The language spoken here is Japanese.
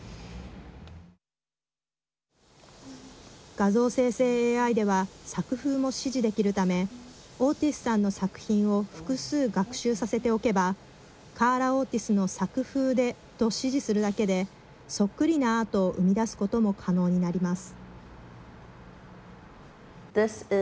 画像生成ＡＩでは作風も指示できるためオーティスさんの作品を複数学習させておけばカーラ・オーティスの作風でと指示するだけでそっくりなアートを生み出すことも可能になります。